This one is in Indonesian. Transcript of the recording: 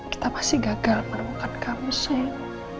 kita masih gagal menemukan kamu sayang